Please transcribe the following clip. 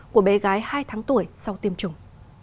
của bé gái hai tháng tuổi sau tiêm chủng